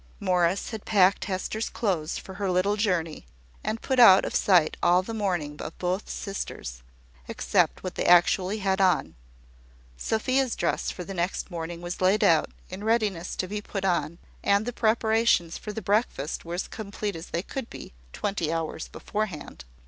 Morris had packed Hester's clothes for her little journey, and put out of sight all the mourning of both sisters, except what they actually had on. Sophia's dress for the next morning was laid out, in readiness to be put on, and the preparations for the breakfast were as complete as they could be twenty hours beforehand.